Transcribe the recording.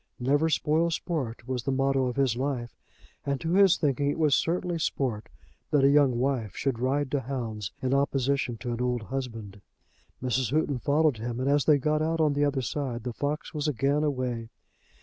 "Never spoil sport," was the motto of his life, and to his thinking it was certainly sport that a young wife should ride to hounds in opposition to an old husband. Mrs. Houghton followed him, and as they got out on the other side, the fox was again away.